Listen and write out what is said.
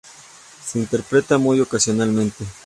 Se interpreta muy ocasionalmente.